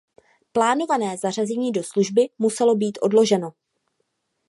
Plánované zařazení do služby muselo být odloženo.